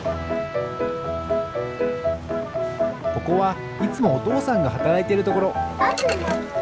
ここはいつもおとうさんがはたらいているところ。